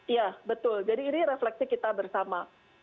iya betul jadi ini refleksi kita bersama